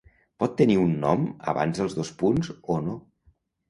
Pot tenir un nom abans dels dos punts o no.